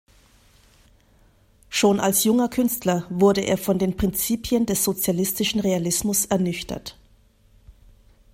Schon als junger Künstler wurde er von den Prinzipien des Sozialistischen Realismus ernüchtert.